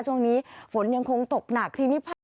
ช่วงนี้ฝนยังคงตกหนักทีนี้ภาค